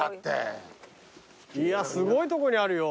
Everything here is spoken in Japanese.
いやすごいとこにあるよ。